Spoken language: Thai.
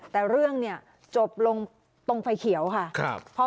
แต่เรื่องเนี่ยจบลงตรงไฟเขียวค่ะ